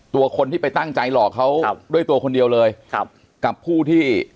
ตัวคนที่ไปตั้งใจหลอกเขาด้วยตัวคนเดียวเลยครับกับผู้ที่